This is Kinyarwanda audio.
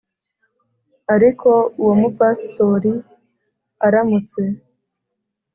ariko uwo mupasitori aramutse